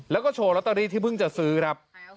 แล้วก็โชว์ลอตเตอรี่ที่เพิ่งจะซื้อครับ